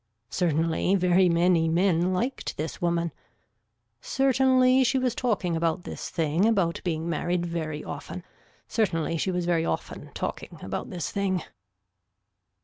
Certainly very many men liked this woman. Certainly she was talking about this thing about being married very often, certainly she was very often talking about this thing.